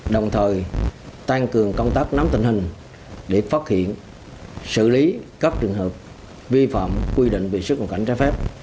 đồng thời tăng cường công tác nắm tình hình để phát hiện xử lý các trường hợp vi phạm quy định về xuất nhập cảnh trái phép